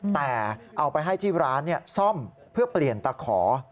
แต่เอาไปให้ที่ร้านซ่อมเพื่อเปลี่ยนตะขอ